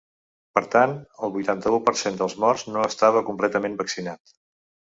Per tant, el vuitanta-u per cent dels morts no estava completament vaccinat.